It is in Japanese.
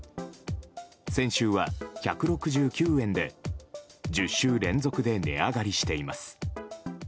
先週は１６９円で１０週連続で値上がりしています。